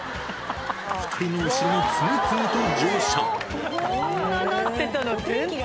２人の後ろに次々と乗車。